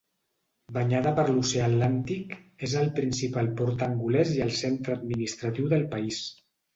Banyada per l'oceà Atlàntic, és el principal port angolès i el centre administratiu del país.